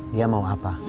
dia mau apa